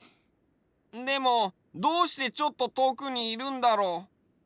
でもどうしてちょっととおくにいるんだろう？